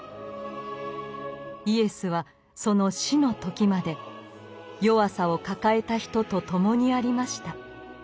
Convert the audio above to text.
イエスはその死の時まで弱さを抱えた人と共にありました。